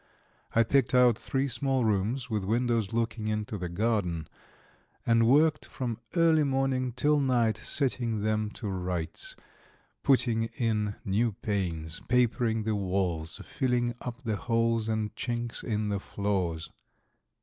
I picked out three small rooms with windows looking into the garden, and worked from early morning till night, setting them to rights, putting in new panes, papering the walls, filling up the holes and chinks in the floors.